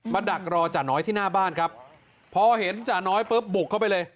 ดักรอจ่าน้อยที่หน้าบ้านครับพอเห็นจ่าน้อยปุ๊บบุกเข้าไปเลย